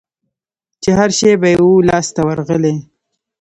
چي هرشی به یې وو لاس ته ورغلی